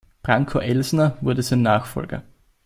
Branko Elsner wurde sein Nachfolger.